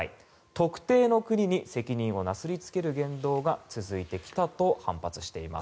特定の国に責任をなすり付ける言動が続いてきたと反発しています。